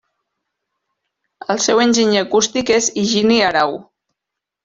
El seu enginyer acústic és Higini Arau.